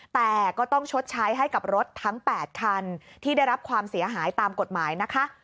แต่ก็ต้องชดใช้ให้กับรถทั้ง๘คันที่ได้รับความเสียหายตามกฎหมายนะคะ